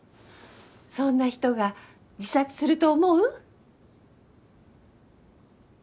そんな人が自殺すると思う？